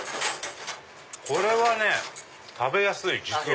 これは食べやすい実は。